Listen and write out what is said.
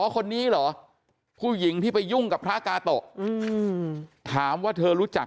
คนนี้เหรอผู้หญิงที่ไปยุ่งกับพระกาโตะถามว่าเธอรู้จัก